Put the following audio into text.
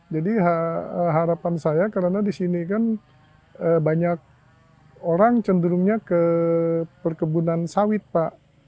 jadi harapan saya karena disini kan banyak orang cenderungnya ke perkebunan sawit pak